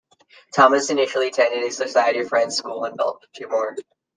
Thomas initially attended a Society of Friends school in Baltimore.